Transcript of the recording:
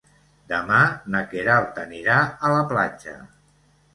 Demà na Queralt anirà a la platja.